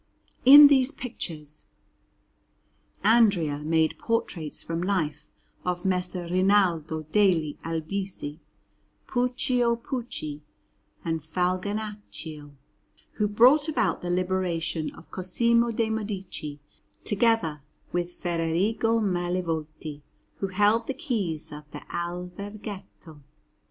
In these pictures Andrea made portraits from life of Messer Rinaldo degli Albizzi, Puccio Pucci, and Falganaccio, who brought about the liberation of Cosimo de' Medici, together with Federigo Malevolti, who held the keys of the Alberghetto.